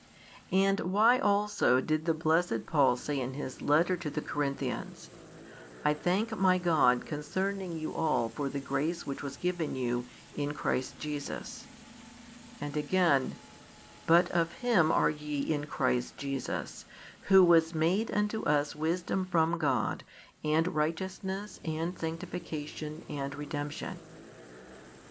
And why also did the blessed Paul say in his letter to the Corinthians: I thank my God concerning you all for the grace which was given you "in Christ Jesus," and again: But of Him are ye "in Christ Jesus," Who was made unto us wisdom from God, and righteousness, and sanctification, and redemption?